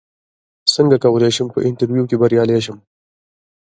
څنګه کولی شم په انټرویو کې بریالی شم